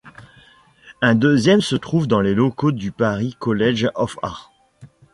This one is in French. Un deuxième se trouve dans les locaux du Paris College of Art.